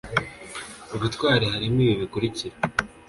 ubutwari harimo ibi bikurikira